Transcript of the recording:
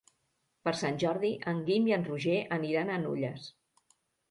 Per Sant Jordi en Guim i en Roger aniran a Nulles.